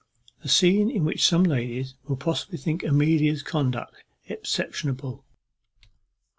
_A scene in which some ladies will possibly think Amelia's conduct exceptionable.